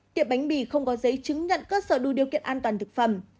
tiệm bánh mì không có giấy chứng nhận cơ sở đủ điều kiện an toàn thực phẩm